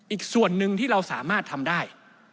อีกส่วนหนึ่งที่เราสามารถทำได้